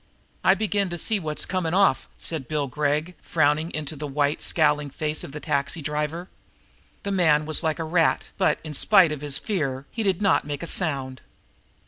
"I begin to see what's come off" said Bill Gregg, frowning into the white, scowling face of the taxi driver. The man was like a rat, but, in spite of his fear, he did not make a sound.